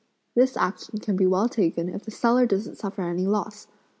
This action can be well taken if the seller doesn't suffer loss!